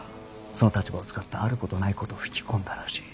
その立場を使ってあることないこと吹き込んだらしい。